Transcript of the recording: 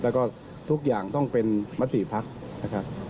แล้วก็ทุกอย่างต้องเป็นมติภักดิ์นะครับ